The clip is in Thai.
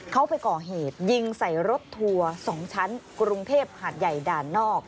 เขาไปก่อเหตุยิงใส่รถทัวร์๒ชั้นกรุงเทพหาดใหญ่ด่านนอก